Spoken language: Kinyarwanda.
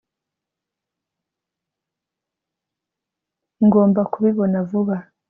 ngomba kubibona vuba